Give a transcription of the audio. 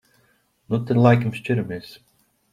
Nu tad laikam šķiramies.